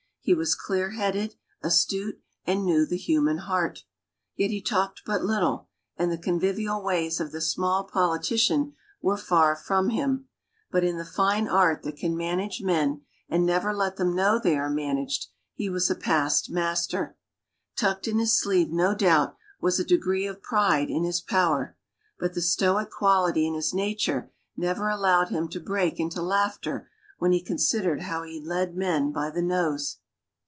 He was clear headed, astute, and knew the human heart. Yet he talked but little, and the convivial ways of the small politician were far from him; but in the fine art that can manage men and never let them know they are managed he was a past master. Tucked in his sleeve, no doubt, was a degree of pride in his power, but the stoic quality in his nature never allowed him to break into laughter when he considered how he led men by the nose.